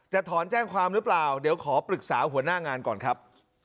ถอนแจ้งความหรือเปล่าเดี๋ยวขอปรึกษาหัวหน้างานก่อนครับ